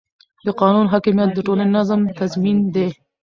د قانون حاکمیت د ټولنې د نظم تضمین دی